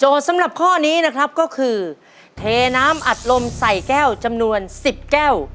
สำหรับข้อนี้นะครับก็คือเทน้ำอัดลมใส่แก้วจำนวน๑๐แก้ว